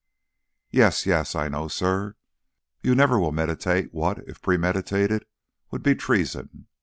"Yes, yes, I know, sir. You never will meditate what, if premeditated, would be treason.